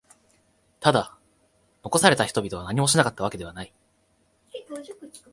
ただ、残された人々は何もしなかったわけではない。